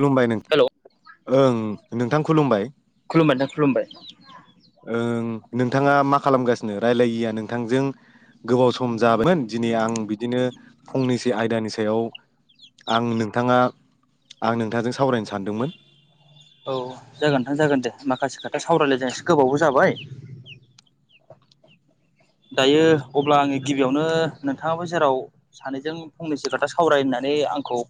खुलुमबाय नों हेल' ओं नोंथां खुलुमबाय खुलुमबाय नोंथां खुलुमबाय ओं नोंथाङा मा खालामगासिनो रायलायिया नोंथांजों गोबाव सम जाबायमोन दिनै आं बिदिनो फंनैसो आयदानि सायाव आं नोंथाङा आं नोंथांजों सावरायनो सानदोंमोन औ जागोन नोंथां जागोन दे माखासे खोथा सावरायलायसै गोबावबो जाबाय दायो अब्ला आङो गिबियावनो नोंथाङाबो जेराव सानैजों फंनैसो खोथा सावराय होननानै आंखौ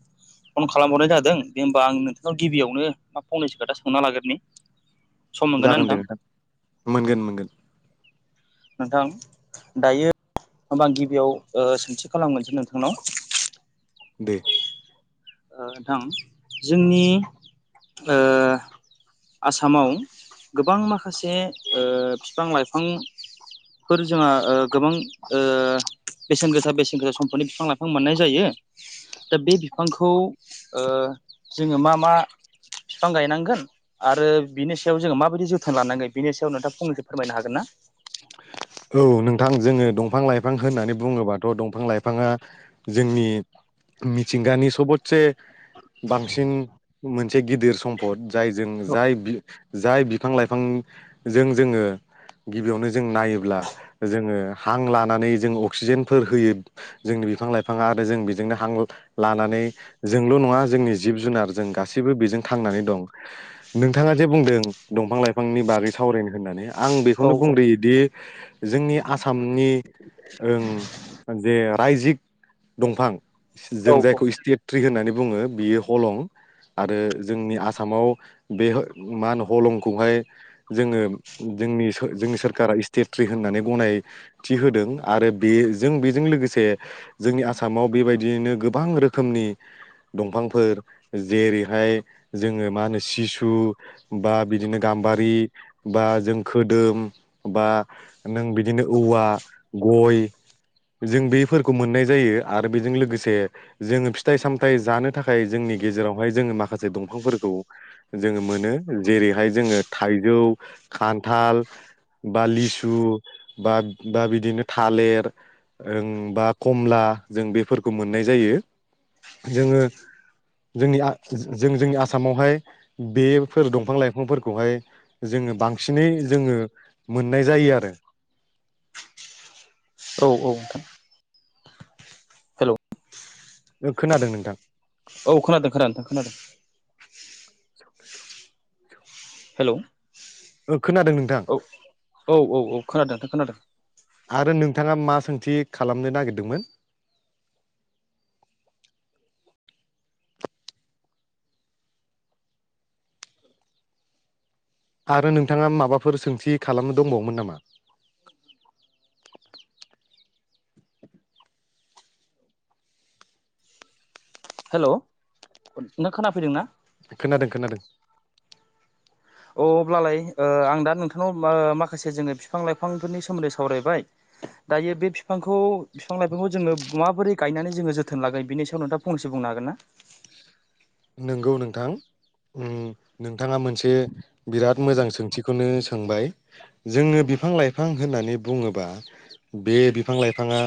फन खालामहरनाय जादों दे होमबा आं नोंथांनाव गिबियावनो मा फंनैसो खोथा सोंना लाग्रोनि सम मोनगोन ना जागोन दे नोंथां मोनगोन मोनगोन नोंथां दायो हमबा आं गिबियाव सोंथि खालामनोसै नोंथांनाव दे नोंथां जोंनि ओ आसामाव गोबां माखासे ओ फिफां-लाइफां फोर जोंहा ओ गोबां ओ बेसेन गोसा बेसेन गोसा सम्पदनि बिफां लाइफां बिफां मोननाय जायो दा बे बिफांखौ ओ जोङो मा मा बिफां गायनांगोन आरो बिनि सायाव जोङो माबायदि जोथोन लानांगोन बेनि सायाव नोंथां फंनैसो फोरमायनो हागोनना औ नोंथां जोङो दंफां लाइफां होननानै बुङोबाथ' दंफां लाइफाङा जोंनि मिथिंगानि सबतसे बांसिन मोनसे गिदिर सम्पद जायजों जाय बि जाय बिफां लाइफांजों जोङो गिबियावनो जों नायोब्ला जोङो हां लानानै जों अक्सिजेनफोर होयो। जोंनि बिफां लाइफाङा आरो जों बेजोंनो हां लानानै जोंल' नङा जोंनि जिब जुनार जों गासैबो बेजों खांनानै दं नोंथाङा जे बुंदों दंफां लाइफांनि बागै सावरायनो होननानै। आं औ बेखौनो बुंग्रोयोदि जोंनि आसामनि ओ जे रायजिक दंफां जों जायखौ स्टेट ट्रि होननानै बुङो बियो हलं आरो जोंनि आसामाव बे मा होनो हलंखौहाय जोङो जोंनि जोंनि सोरखारा स्टेट्रि होननानै गनाय थि होदों आरो बे जों बेजों लोगोसे जोंनि आसामाव बेबायदियैनो गोबां रोखोमनि दंफांफोर जेरैहाय जोङो मा होनो सिसु बा बिदिनो गाम्बारि बा जों खोदोम बा नों बिदिनो औवा गय जों बेफोरखौ मोननाय जायो आरो बेजों लोगोसे जोङो फिथाइ सामथायाइ जानो थाखाय जोंनि गेजेरावहाय जोङो माखासे दंफांफोरखौ। जोङो मोनो जेरैहाय जोङो थाइजौ, खान्थाल बा लिसु बा बा बिदिनो थालिर ओ बा कमला जों बेफोरखौ मोननाय जायो जोङो। जोंनि जों जोंनि आसामावहाय बेफोर दंफां लाइफांफोरखौहाय जोङो बांसिनै जोङो मोननाय जायो आरो। औ औ नोंथां। हेलौ ओ खोनादों नोंथां औ खोनादों खोनादों खोनादों ज हेल' खोनादों नोंथां औ औ औ औ खोनादोंथ खोनादों। आरो नोंथाङा मा सोंथि खालामनो नागिरदोंमोन आरो नोंथाङा माबाफोर सोंथि खालामनो दंबावोमोन नामा? हेल' नों खोनाफैदों ना? खोनादों खोनादों अ अब्लालाय आं दा नोंथांनाव माखासे जोङो बिफां लाइफांफोरनि सोमोन्दै सावरायबाय दायो बे बिफांखौ बिफां लाइफांखौ जोङ माबोरै गायनानै जोङो जोोन लागोननि सायाव नोंथाङांनस बुंनो हागोन ना? नोंगौ नोंथां नोंथाङा मोनसे बिराद मोजां सोंथिखौनो सोंबाय जोङो बिफां लाइफां होननानै बुङोबा बे बिफां लाइफाङा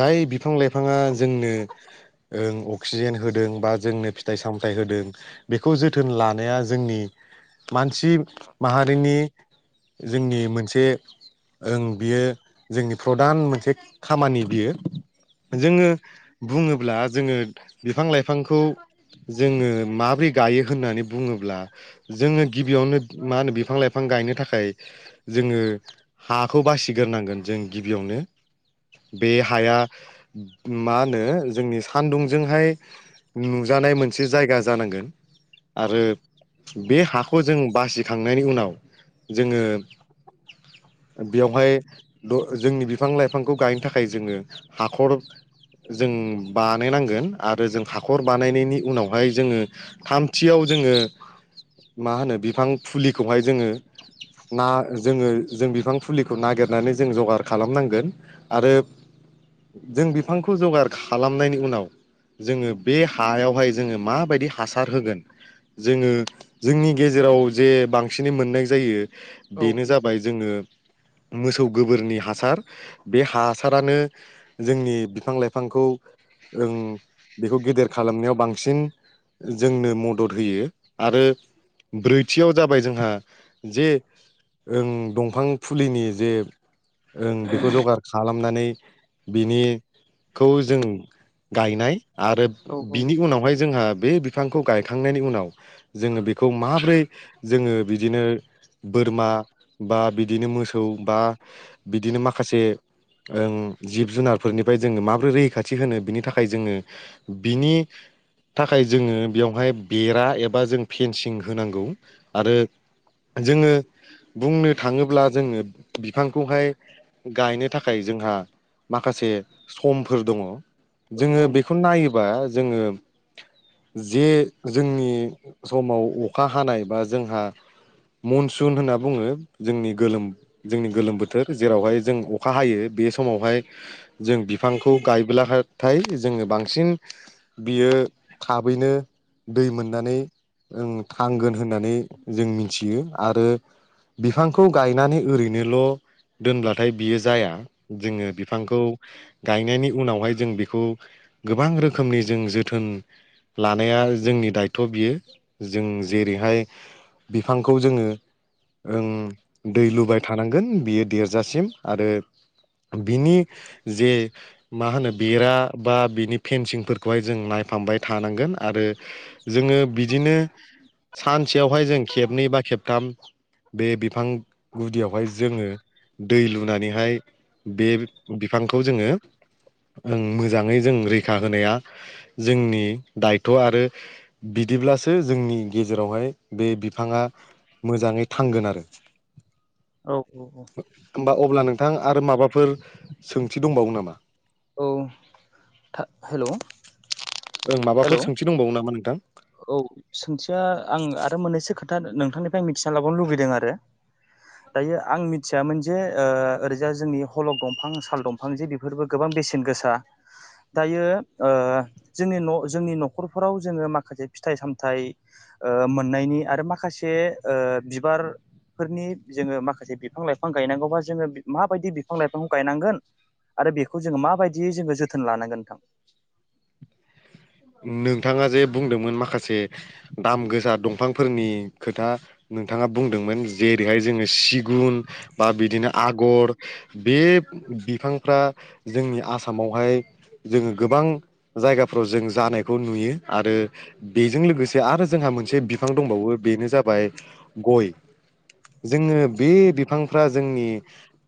जाय बिफां लाइफाङा जोंनो ओ अक्सिजेन होदों बा जोंनो फिथाइ सामथाइ होदों बेखौ जोथोन लानाया जोंनि मानसि माहारिनि जोंनि मोनसे। ओं बियो जोंनि प्रधान मोनसे खामानि बियो। जोङो बुङोब्ला जोङो बिफां लाइफांखौ जोङो माबोरै गायो होननानै बुङोब्ला जोङो गिबियावनो मा होनो बिफां-लाइफां गायनो थाखाय जोङो हाखौ बासिग्रोनांगोन जों गिबियावनो बे हाया मा होनो जोंनि सानदुंजोंहाय न नुजानाय मोनसे जायगा जानांगोन आरो बे हाखौ जों बासिखांनायनि उनाव जोङो। बेवहाय द जोंनि बिफां लाइफांखौ गायनो थाखाय जोङो हाखर जों बानायनांगोन आरो जों हाखर बानायनायनि उनावहाय जोङो थामथियाव जोङो मा होनो बिफां फुलिखौहाय जोङो ना जोङो जों बिफां फुलिखौ नागिरनानै जों जगार खालामनांगोन। आरो जों बिफांखौ जगार खालामनायनि उनाव जोङो बे हायावहाय जोङो माबायदि हासार होगोन। जोङो जोंनि गेजेराव जे बांसिनै मोननाय जायो औ बेनो जाबाय जोङो मोसौ गोबोरनि हासार। बे हासारानो जोंनि बिफां लाइफांखौ ओं बेखौ गेदेर खालामनायाव बांसिन जोंनो मदद होयो आरो ब्रैथियाव जाबाय जोंहा जे ओं दंफां फुलिनि जे ओं बेखौ जगार खालामनानै बिनिखौ जों गायनाय आरो औ बिनि उनावहाय जोंहा बे बिफांखौ गायखांनायनि उनाव जोङो बेखौ माब्रै जोङो बिदिनो बोरमा बा बिदिनो मोसौ बा बिदिनो माखासे ओ जिब जुनारफोरनिफ्राय जोङो माबोरै रैखाथि होनो बिनि थाखाय जोङो बिनि थाखाय जोङो बेयावहाय बेरा एबा जों फेनसिं होनांगौ आरो। जोङो बुंनो थाङोब्ला जोङो बिफांखौहाय गायनो थाखाय जोंहा माखासे समफोर दङ। औ जोङो बेखौ नायोबा जोङो जे जोंनि समाव अखा हानाय बा जोंहा मनसुन होनना बुङो जोंनि गोलोम जोंनि गोलोम बोथोर जेरावहाय जों अखा हायो बे समावहाय जों बिफांखौ गायब्लाथाय जोङो बांसिन बियो थाबैनो दै मोननानै ओ थांगोन होननानै जों मिथियो आरो बिफांखौ गायनानै ओरैनोल' दोनब्लाथाय बियो जाया जोङो बिफांखौ गायनायनि उनावहाय जों बेखौ गोबां रोखोमनि जों जोथोन लानाया जोंनि दायथ' बियो जों जेरैहाय बिफांखौ जोङो ओं दै लुबाय थानांगोन बियो देरजासिम आरो बिनि जे मा होनो बेरा बा बिनि फेनसिं फोरखौहाय जों नायफामबाय थानांगोन आरो। जोङो बिदिनो सानसेयावहाय जों खेबनै बा खेबथाम बे बिफां गुदियावहाय जोङो दै लुनानैहाय बे बिफांखौ जोङो मोजाङै जों रैखा होनाया जोंनि दायथ' आरो बिदिब्लासो जोंनि गेजेरावहाय बे बिफाङा मोजाङै थांगोन आरो। औ होमबा अब्ला नोंथां आरो माबाफोर सोंथि दंबावो नामा? औ हेलौ ओ हेलौ माबाफोर सोंथि दंबावो नामा नोंथां? औ सोंथिया आं आरो मोननैसो खोथा नोंथांनिफ्राय मिथिना लाबावनो लुबैदों आरो। दायो आं मिथियामोन जे ओरैजाय जोंनि हलग दंफां साल दं मोनसे बेफोरबो गोबां बेसेन गोसा दायो जोंनि जोंनि न'खरफोराव जोङो माखासे फिथाइ सामथाइ ओ मोननायनि आरो माखासे ओ बिबार फोरनि जोङो माखासे बिफां लाइफां गायनांगौबा जोङो माबायदि बिफां लाइफांखौ गायनांगोन। आरो बेखौ जोङो माबाययै जोङो जोथोन लानांगोन नोंथां। नोंथाङा जे बुंदोंमोन माखासे दाम गोसाा दंफांफोरनि खोथा नोंथाङा बुंदोंमोन जेरैहाय जोङो सिगुन बा बिदिनो आगर बे बिफांफ्रा जोंनि आसामावहाय जोङो गोबां जायगाफ्राव जों जानायखौ नुयो आरो बेजों लोगोसे आरो जोंहा मोनसे बिफां दंबावो बेनो जाबाय गय जोङो बे बिफांफ्रा जोंनि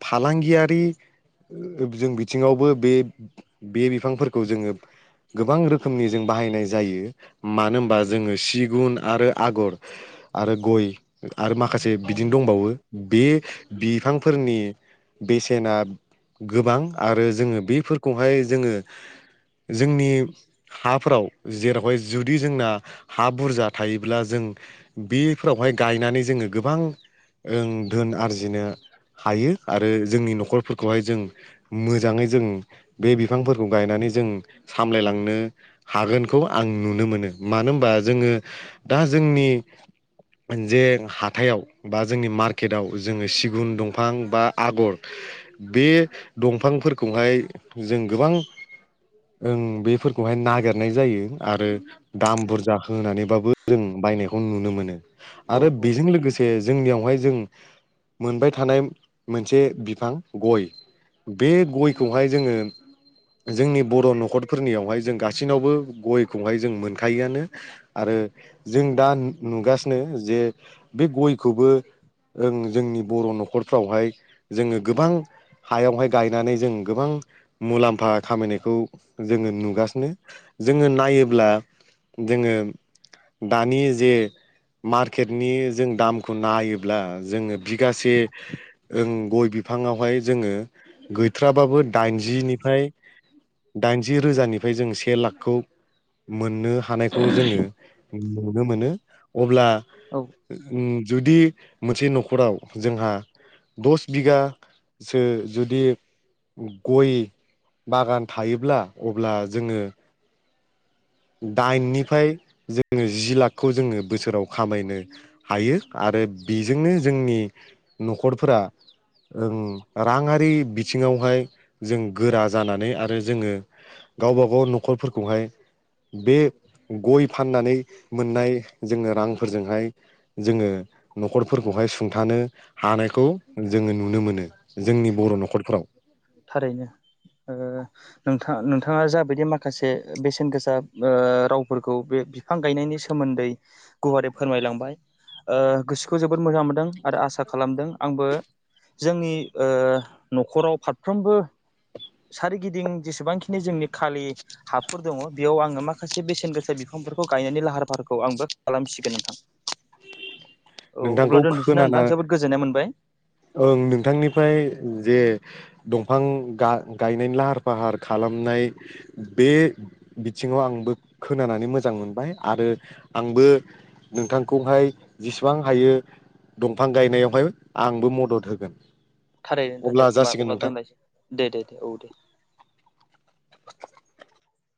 फालांगियारि जों बिथिङावबो बे बे बिफांफोरखौ जोङो गोबां रोखोम रोखोमनि जों बाहायनाय जायो मानो होनबा जोङो सिगुन आरो आगर आरो गय आरो माखासे बिदिनो दंबावो बे बिफांफोरनि बेसेना गोबां आरो जोङो बेफोरखौहाय जोङो जोंनि हाफोराव जेरावहाय जुदि जोंना हा बुरजा थायोब्ला जों बेफोरावहाय गायनानै जोङो गोबां ओं धोन आरजिनो हायो आरो जोंनि न'खरफोरखौहाय जों मोजाङै जों बे बिफांफोरखौ गायनानै जों सामलायलांनो हागोनखौ आं नुनो मोनो मानो होनबा जोङो दा जोंनि मोन जे हाथायाव बा जोंनि मार्केटआव जोङो सिगुन दंफां बा आगर बे दंफांफोरखौहाय जों गोबां बे बेहाय नागिरनाय जायो आरो दाम बुरजा होन होनानैबाबो जों बायनायखौ नुनो मोनो औ आरो औ बेजों लोगोसे क जोंनियावहाय जों मोनबाय थानाय मोनसे बिफां गय बे गयखौहाय जोङो जोंनि बर' न'खरफोरनियावहाय जों गासिनावबो गय खौहाय जों मोनखायोआनो आरो जों दा नुगासिनो जे बे गयखौबो ओ जोंनि बर' न'खरफ्रावहाय जोङो गोबां हायावहाय गायनानै जों गोबां मुलाम्फा खामायनायखौ जोङो नुगासिनो। जोङो नायोब्ला जोङो दानि जे मार्केटनि जों दामखौ नायोब्ला जोङो बिगासे ओं गय बिफाङावहाय जोङो गैथ्राबाबो दाइनजिनिफ्राय दाइनजि रोजानिफ्राय जों से लाखखौ मोननो हानायखौ जोङो नुनो मोनो अब्ला औ ओं जुदि मोनसे न'खराव जोंहा दस बिगासो जुदि गय बागान थायोब्ला अब्ला जोङो दाइननिफ्राय जोङो जि लाखखौ जोङो बोसोराव खामायनो हायो आरो बेजोंनो जोंनि न'खरफोरा राङारि बिथिङावहाय जों गोरा जानानै आरो जोङो गावबा गाव न'खरफोरखौहाय बे गय फाननानै मोननाय जोंनो रांफोरजोंहाय जोङो न'खरफोरखौहाय सुंथानो हानायखौ जोङो नुनो मोनो जोंनि बर' न'खरफ्राव थारैनो ओ नोंथां नोंथाङा जाबायदि माखासे बेसेन गोसा रावफोरखौ बे बिफां गायनायनि सोमोन्दै गुवारै फोरमायलांबाय गोसोखौ जोबोद मोजां मोनदों आरो आसा खालामदों आंबो जोंनि न'खराव फारफ्रोमबो सोरगिदिं जेसेबांखिनि जोंनि खालि हाफोर दंङो बेयाव आंङो माखासे बेसेन गोसा बिफांफोरखौ गायनायनि लाहार फाहारखौ आंबो खालामसिगोन नोंथां औ अब्ला नोंथांखौ दोनथ'सै ना खोनाना नोंथां जोबोद गोजोननाय मोनबाय ओं नोंथांनिफ्राय जे दंफां गायनायनि लाहार फाहार खालामनाय बे बिथिंङाव आंबो खोनानानै मोजां मोनबाय आरो आंबो नोंथांखौहाय बिबां हायो दंफां गायनायावहाय आंबो मदद होगोन थारै नोंथां अब्ला दे होमबा जासिगोन अब्ला नोंथां दोनलायसै दे दे दे औ दे